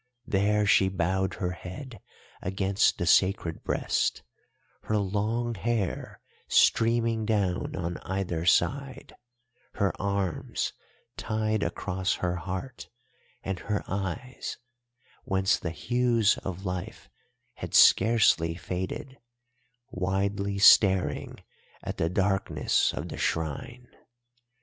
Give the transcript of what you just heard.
There she bowed her head against the sacred breast, her long hair streaming down on either side, her arms tied across her heart, and her eyes, whence the hues of life had scarcely faded, widely staring at the darkness of the shrine.